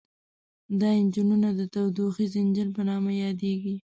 دا انجنونه د تودوخیز انجن په نوم یادیږي.